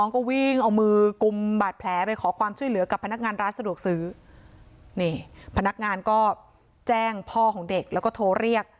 ก็วิ่งเอามือกุมบาดแผลไปขอความช่วยเหลือกับพนักงานร้านสะดวกซื้อนี่พนักงานก็แจ้งพ่อของเด็กแล้วก็โทรเรียก